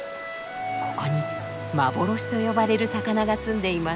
ここに幻と呼ばれる魚がすんでいます。